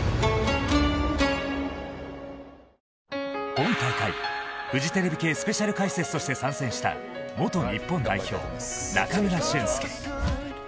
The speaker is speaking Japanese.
今大会、フジテレビ系スペシャル解説として参戦した元日本代表・中村俊輔。